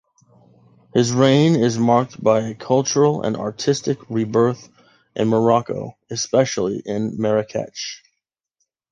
His reign is marked by a cultural and artistic rebirth in Morocco, especially in Marrakech.